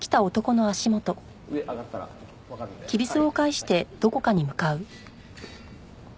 上上がったらわかるんではい。